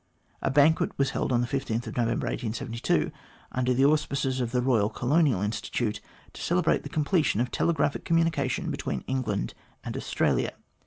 A banquet was held on November 15, 1872, under the auspices of the Eoyal Colonial Institute, to celebrate the completion of telegraphic communication between England and Australia.